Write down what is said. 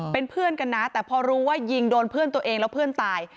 เป็นเพื่อนกันนะแต่พอรู้ว่ายิงโดนเพื่อนตัวเองแล้วเพื่อนตาย